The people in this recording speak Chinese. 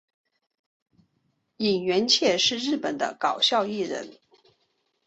萤原彻是日本的搞笑艺人。